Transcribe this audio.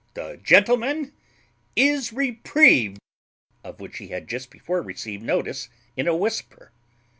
the gentleman is reprieved;" of which he had just before received notice in a whisper.